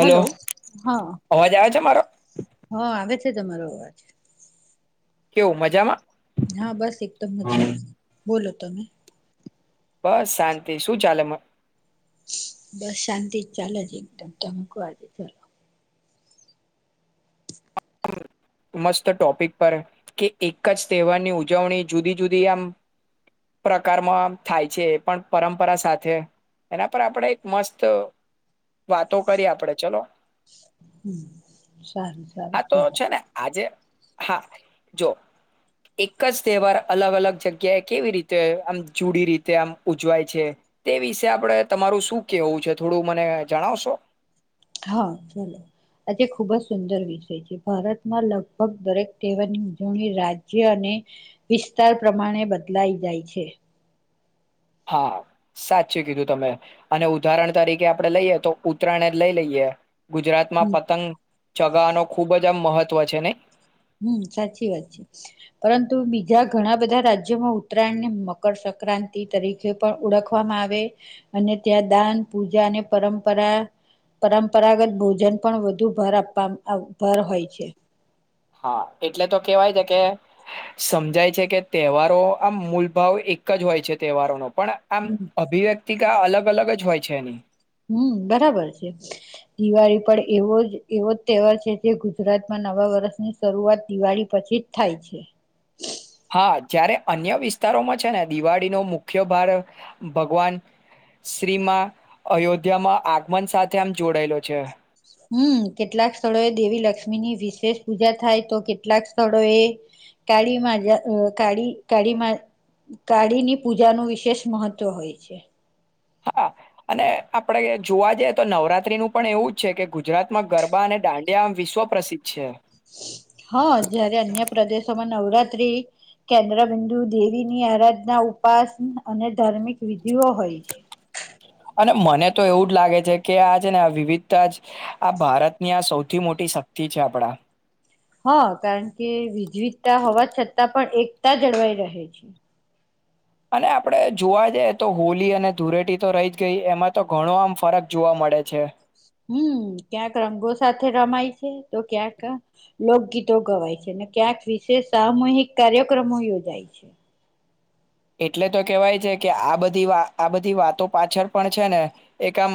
Hello. હા અવાજ આવે છે મારો? હા આવે છે તમારો અવાજ. કેવું મજામાં? હા બસ એકદમ મજા [inaudible] બોલો તમે. બસ શાંતિ શું ચાલે માં? બસ શાંતિ જ ચાલે છે એકદમ. તમે કહો આજે ચલો. હું મસ્ત ટોપિક પર કે એક જ તહેવારની ઉજવણી જુદી-જુદી આમ પ્રકારમાં આમ થાય છે એ પણ પરંપરા સાથે, એના પર આપણે એક મસ્ત વાતો કરી આપણેે ચલો. હમ્મ, સારું-સારું ચલો. જે હા જો એક જ તહેવાર અલગ-અલગ જગ્યાએ કેવી રીતે આમ જુડી રીતે આમ ઉજવાય છે. તે વિશે આપણે તમારું શું કેવું છે થોડું મને જણાવશો? હા ભલે. આજે ખૂબ જ સુંદર વિષય છે. ભારતમાં લગભગ દરેક તહેવારની ઉજવણી રાજ્ય અને વિસ્તાર પ્રમાણે બદલાઈ જાય છે. હા સાચું કીધું તમે, અને ઉદાહરણ તરીકે આપણે લઈએ તો ઉત્તરાયણ જ લઈ લઈએ. ગુજરાત માં પતંગ ચગાવાનું ખુબ જ આમ મહત્વ છે નહીં? હમ્મ સાચી વાત છે. પરંતુ બીજા ઘણા બધા રાજ્યોમાં ઉત્તરાયણને મકરસક્રાંતિ તરીકે પણ ઓળખવામાં આવે, અને ત્યાં દાન, પૂજા અને પરંપરા પરંપરાગત ભોજન પણ વધુ ભાર આપવા આવ ભાર હોય છે. હા એટલે તો કહેવાય છે કે સમજાય છે કે તહેવારો આમ મૂલભાવ એક જ હોય છે તહેવારોનો પણ આમ હમ અભિવ્યક્ વ્યક્તિકા અલગ-અલગ જ હોય છે એની. હમ્મ બરાબર છે. દિવાળી પણ એવો જ એવો જ તહેવાર છે જે ગુજરાતમાં નવા વર્ષની શરૂઆત દિવાળી પછી જ થાય છે. હા જયારે અન્ય વિસ્તારોમાં છે ને દિવાળીનો મુખ્ય ભાર ભગવાન શ્રી માં અયોધ્યામાં આગમન સાથે આમ જોડાયેલો છે. હમ્મ, કેટલાક સ્થળોએ દેવી લક્ષ્મીની વિશેષ પૂજા થાય, તો કેટલાક સ્થળો એ કાળીમાં અહ કાળી-કાળીમાં કાળીની પૂજાનું વિશેષ મહત્વ હોય છે. હા અને આપડે જોવા જઈએ તો નવરાત્રીનું પણ એવું જ છે કે ગુજરાતમાં ગરબા અને દાંડિયા આમ વિશ્વ પ્રસિદ્ધ છે. હા જયારે અન્ય પ્રદેશોમાં નવરાત્રી કેન્દ્ર બિંદુ દેવી ની આરાધના, ઉપાસ અને ધર્મિક વિધિઓ હોય છે. અને મને તો એવું જ લાગે છે કે આ છે ને આ વિવિધતા જ આ ભારતની આ સૌથી મોટી શક્તિ છે આપણા. હા કારણ કે વિજવિધતા હોવા છતાં પણ એકતા જળવાઈ રહે છે. અને આપડે જોવા જાઈએ તો હોલી અને ધૂળેટી તો રહી જ ગઈ, એમાં તો ઘણો આમ ફરક જોવા મળે છે. હમ્મ, ક્યાંક રંગો સાથે રમાય છે, તો ક્યાંક લોકગીતો ગવાય છે, અને ક્યાંક વિશેષ સામૂહિક કાર્યક્રમો યોજાય છે. એટલે તો કહેવાય છે કે આ બધી વા આ બધી વાતો પાછળ પણ છે ને એક આમ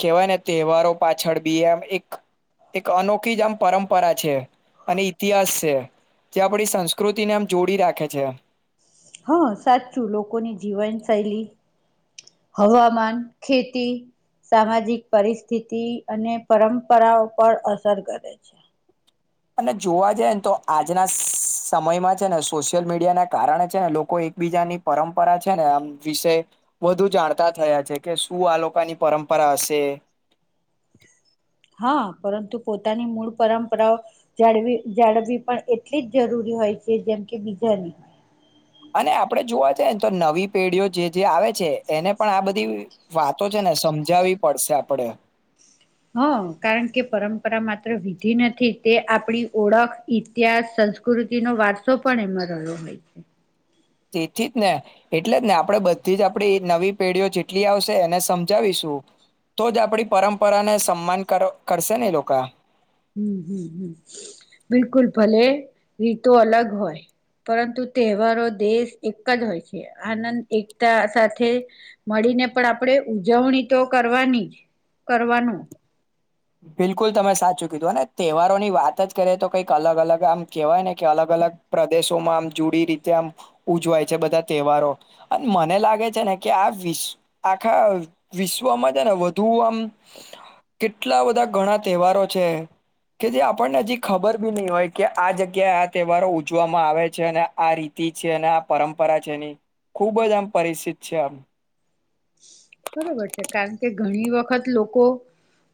કહેવાય ને તહેવારો પાછળ બી આમ એક-એક અનોખી જ આમ પરંપરા છે, અને ઇતિહાસ છે. જે આપણી સંસ્કૃતિને આમ જોડી રાખે છે. હા સાચું. લોકોની જીવનશૈલી, હવામાન, ખેતી, સામાજિક પરિસ્થિતિ અને પરંપરાઓ પર અસર કરે છે. અને જોવા જાઈએ ને તો આજના સમયમાં છે ને સોશિયલ મીડિયા ના કારણે છે ને લોકો એકબીજાની પરંપરા છે ને આમ વિશે વધુ જાણતા થયા છે કે શું આ લોકાની પરંપરા હશે. હા પરંતુ પોતાની મૂળ પરંપરાઓ જાળવી-જાળવી પણ એટલી જ જરૂરી હોય છે જેમ કે બીજાની. અને આપડે જોવા જઈએ ને તો નવી પેઢીઓ જે-જે આવે છે એને પણ આ બધી વાતો છે ને સમજાવવી પડશે આપણે. હા કારણ કે પરંપરા માત્ર વિધિ નથી, તે આપણી ઓળખ, ઇતિહાસ, સંસ્કૃતિનો વારસો પણ એમાં રહ્યો હોય છે. તેથી જ ને એટલે જ ને આપણે બધી જ આપડી નવી પેઢીઓ જેટલી આવશે એને સમજાવીશું, તો જ આપણી પરંપરાને સન્માન કર કરશે ને લોકા. હમ્મ-હમ્મ-હમ્મ-હમ્મ બિલકુલ. ભલે રીતો અલગ હોય પરંતુ તહેવારો દેશ એક જ હોય છે, આનંદ, એકતા સાથે મળીને પણ આપણેે ઉજવણી તો કરવાની જ, કરવાનું. બિલકુલ તમે સાચું કીધું, અને તહેવારો ની વાત જ કરે તો કંઈક અલગ-અલગ આમ કહેવાય ને કે અલગ-અલગ પ્રદેશ શો માં આમ જુડી રીતે આમ ઉજવાય છે બધા તહેવારો, અને મને લાગે છે ને કે આ વિશ આખા વિશ્વમાં છે ને વધુ આમ કે કેટલા બધા ઘણા તહેવારો છે કે જે આપણને હજી ખબર બી નહી હોય કે આ જગ્યાએ આ તહેવારો ઉજવામાં આવે છે, અને આ રીતિ છે, અને આ પરંપરા છે ની, ખૂબ જ આમ પરિસિત છે આમ. બરોબર છે કારણ કે ઘણી વખત લોકો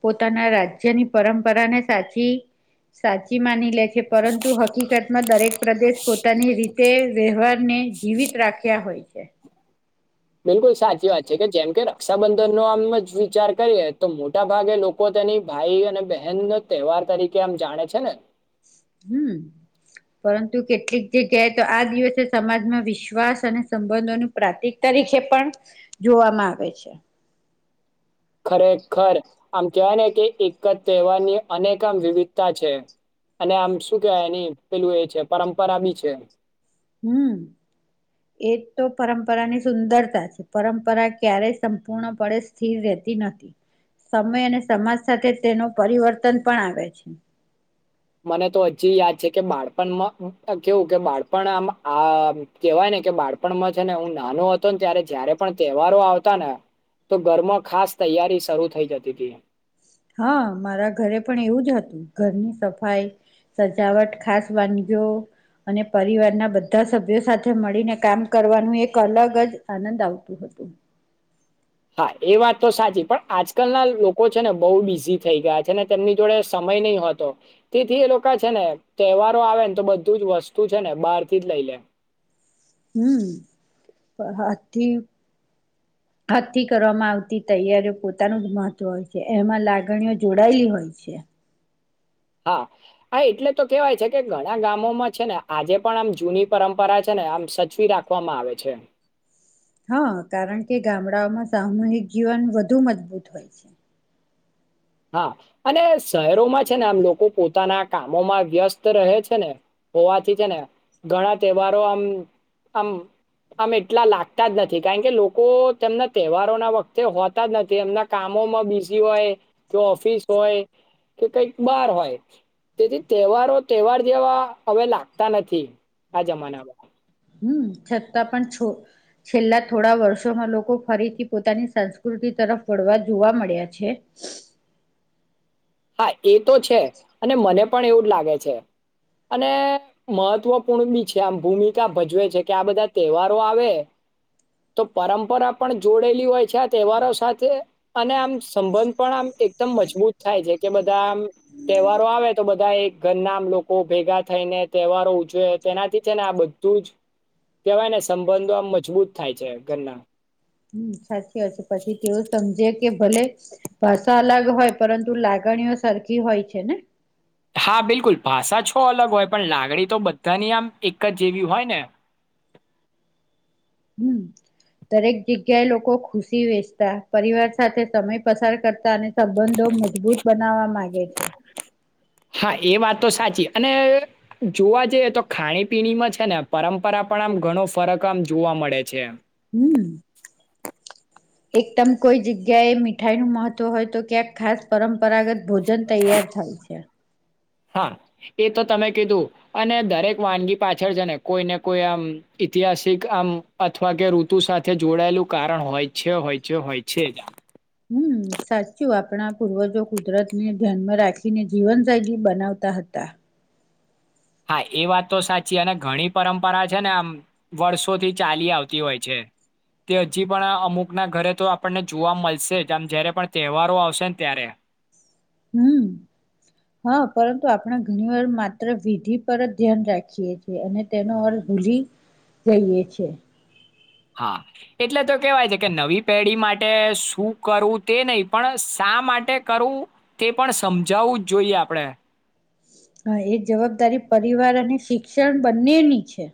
પોતાના રાજ્યની પરંપરાને સાચી સાચી માની લે છે પરંતુ હકીકતમાં દરેક પ્રદેશ પોતાની રીતે વ્યવહાર ને જીવિત રાખ્યા હોય છે. બિલકુલ સાચી વાત છે કે જેમ કે રક્ષાબંધનનો આમ જ વિચાર કરીએ તો મોટા ભાગે લોકો તેની ભાઈ અને બહેન ન તહેવાર તરીકે આમ જાણે છે ને હમ પરંતુ કેટલીક જગ્યાએ તો આ દિવસે સમાજમાં વિશ્વાસ અને સંબંધોનું પ્રાતિક વીષે પણ જોવામાં આવે છે. ખરેખર આમ કહેવાય ને કે એક જ તહેવારની અનેક આમ વિવિધતા છે અને આમ શું કેવાય એની પેલું એ છે પરંપરા બી છે. હમ એ તો પરંપરાની સુંદરતા છે પરંપરા ક્યારેય સંપૂર્ણપણે સ્થિર રહેતી નથી સમય અને સમાજ સાથે તેનું પરિવર્તન પણ આવે છે. મને તો હજી યાદ છે કે બાળપણમાં કેવું કે બાળપણ આમ આ કેહેવાય ને કે બાળપણમાં છે ને હું નાનો હતો ને ત્યારે જયારે પણ તહેવારો આવતા ને તો ઘરમાં ખાસ તૈયારી શરૂુ થઈ જતી હતી. હા મારા ઘરે પણ એવું જ હતું ઘરની સફાઈ સજાવટ ખાસ વાનગીઓ અને પરિવારના બધા સભ્યો સાથે મળીને કામ કરવાનું એક અલગ જ આનંદ આવતું હતું. હા એ વાત તો સાચી પણ આજકાલના લોકો છે ને બહુ બિઝી થઈ ગયા છે ને તેમની જોડે સમય નહી હોતો તેથી એ લોકો છે ને તહેવારો આવે ને તો બધું જ વસ્તુ છે ને બહાર થી જ લઈ લે. હમથી હથી કરવામાં આવતી તૈયારીઓ પોતાનું જ મહત્વ હોય છે એમાં લાગણીઓ જોડાયેલી હોય છે. હા હ એટલે તો કેવાય છે કે ઘણા ગામોમાં છે ને આજે પણ આમ જૂની પરંપરા છે ને આમ સચવી રાખવામાં આવે છે. હા કારણ કે ગામડાઓમાં સામૂહિક જીવન વધુ મજબૂત હોય છે. હા અને શહેરોમાં છે ને આમ લોકો પોતાના કામોમાં વ્યસ્ત રહે છે ને હોવાથી છે ને ઘણા તહેવારો આમ આમ આમ એટલા લાગતા જ નથી કારણ કે લોકો તેમના તહેવારો ના વખતે હોતા જ નથી એમના કામોમાં બિઝી હોય કે ઓફિસ હોય કે કઈક બાર હોય તેથી તહેવારો તહેવાર જેવા હવે લાગતા નથી આ જમાનામાં. હમ છતાં પણ છ છેલ્લા થોડા વર્ષોમાં લોકો ફરીથી પોતાની સંસ્કૃતિ તરફ વળવા જોવા મળ્યા છે. હા એ તો છે અને મને પણ એવું જ લાગે છે અને મહત્વપૂર્ણ બી છે આમ ભૂમિકા ભજવે છે કે આ બધા તહેવારો આવે તો પરંપરા પણ જોડેલી હોય છે આ તહેવારો સાથે અને આમ સંબંધ પણ આમ એકદમ મજબૂત થાય છે. કે બધા આમ તહેવારો આવે તો બધા એ ઘરના આમ લોકો ભેગા થઈને તહેવારો ઉજવે તેનાથી છે ને આ બધું જ કેહેવાય ને સંબંધો આમ મજબૂત થાય છે ઘરના. હમ સાચી વાત છે પછી તેઓ સમજે કે ભલે ભાષા અલગ હોય પરંતુ લાગણીઓ સરખી હોય છે ને. હા બિલકુલ ભાષા છો અલગ હોય પણ લાગણી તો બધાની આમ એક જ જેવી હોય ને. હમ દરેક જગ્યાએ લોકો ખુશી વેચતા પરિવાર સાથે સમય પસાર કરતા અને સંબંધો મજબૂત બનાવવા માંગે છે હા એ વાત તો સાચી અને જોવા જઈએ તો ખાણીપીણીમાં છે ને પરંપરા પણ આમ ઘણો ફરક આમ જોવા મળે છે. હમ એકદમ કોઈ જગ્યાએ મીઠાઈ નું મહત્વ હોય તો ક્યાંક ખાસ પરંપરા પરરાગત ભોજન તૈયાર થાય છે. હા એ તો તમે કીધું અને દરેક વાનગી પાછળ છે ને કોઈ ને કોઈ આમ ઇતિહાસિક આમ અથવા કે ઋતુ સાથે જોડાયેલું કારણ હોય છે હોય છે હોય છે જ આ હમ સાચું આપણા પૂર્વજો કુદરત ને ધ્યાનમાં રાખીને જીવન જૈલી બનાવતા હતા હા એ વાત તો સાચી અને ઘણી પરંપરા છે ને આમ વર્ષોથી ચાલી આવતી હોય છે તે હજી પણ અમુકના ઘરે તો આપણને જોવા મળશે જ આમ જયારે પણ તહેવારો આવશે ને ત્યારે હમ હા પરંતુ આપણે ઘણી વાર માત્ર વિધિ પર જ ધ્યાન રાખીએ છ છેએ અને તેનો અર્થ ભૂલી જઈએ છે હા એટલે તો કેવાય છે કે નવી પેઢી માટે શું કરવું તે નહી પણ શા માટે કરવું તે પણ સમજાવવું જ જોઈએ આપણે હા એ જવાબદારી પરિવાર અને શિક્ષણ બંનેની છે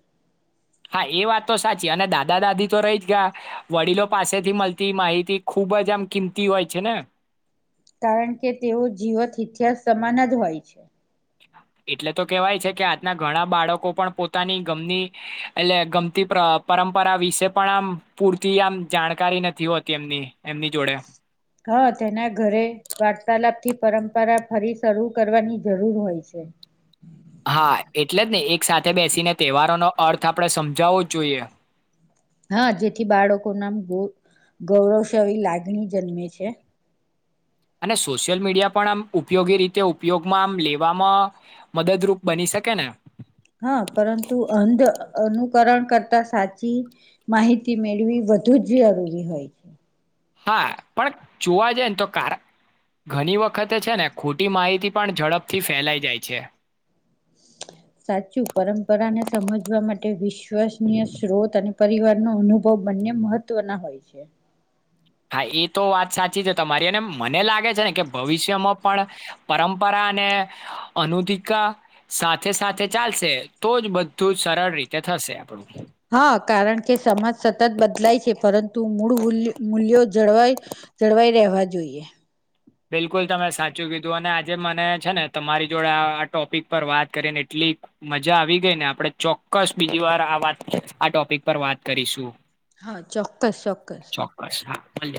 હા એ વાત તો સાચી અને દાદા દાદી તો રહી જ ગયા વડીલો પાસેથી મળતી માહિતી ખૂબ જ આમ કિંમતી હોય છે ને કારણ કે તેઓ જીવત ઇતિહાસ સમાન જ હોય છે એટલે તો કેવાય છે કે આજના ઘણા બાળકો પણ પોતાની ગમતી એટલે ગમતી પરંપરા વિશે પણ આમ પૂરતી આમ જાણકારી નથી હોતી એમની એમની જોડે હા તેના ઘરે વાર્તાલાપ થી પરંપરા ફરી શરૂ કરવાની જરૂર હોય છે હા એટલે જ ને એક સાથે બેસીને તહેવારોનોો અર્થ આપણે સમજાવવો જ જોઈએ હા જેથી બાળકો નામ ગ ગૌરવશયી લાગણી જન્મે છે અને સોશિયલ મીડિયા પણ આમ ઉપયોગી રીતે ઉપયોગમાં આમ લેવામાં મદદરૂપ બની શકે ને હા પરંતુ અંધ અનુકરણ કરતા સાચી માહિતી મેળવી વધુ જ જરૂરી હોય છે હા પણ જોવા જાય ને તો કાર ઘણી વખતે છે ને ખોટી માહિતી પણ ઝડપથી ફેલાઈ જાય છે સાચું પરંપરાને સમજવા માટે વિશ્વસનીય સ્ત્રોત અને પરિવારનો અનુભવ બંને મહત્વના હોય છે હા એ તો વાત સાચી છે તમારીને મને લાગે છે ને કે ભવિષ્યમાં પણ પરંપરા અને અનુધિકા સાથે સાથે ચાલશે તો જ બધું જ સરળ રીતે થશે આપણું હા કારણ કે સમાજ સતત બદલાય છે પરતુ તું મૂળ મૂલ્ય મૂલ્યો જળવાય જળવાઈ રહેવા જોઈએ બિલકુલ તમે સાચું કીધું અને આજે મને છે ને તમારી જોડે આ ટોપિક પર વાત કરીને એટલી મજા આવી ગઈ ને આપણે ચોક્કસ બીજી વાર આ વાત આ ટોપિક પર વાત કરીશું હા ચોક્કસ ચોક્કસ. અલ.